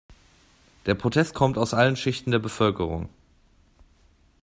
Der Protest kommt aus allen Schichten der Bevölkerung.